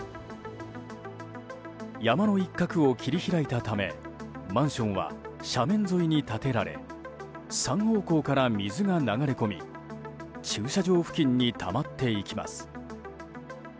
山の一角を切り開いたためマンションは斜面沿いに建てられ３方向から水が流れ込み駐車場付近にたまっていきます。